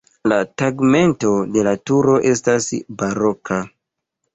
La tegmento de la turo estas baroka.